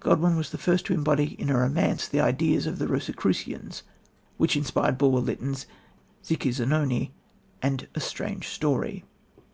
Godwin was the first to embody in a romance the ideas of the Rosicrucians which inspired Bulwer Lytton's Zicci, Zanoni and A Strange Story. _St.